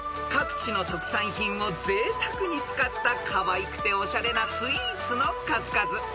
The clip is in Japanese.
［各地の特産品をぜいたくに使ったかわいくておしゃれなスイーツの数々］